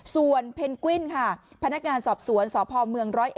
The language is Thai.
ส่วนเพนกวิ้นค่ะพนักงานสอบสวนสพเมือง๑๐๑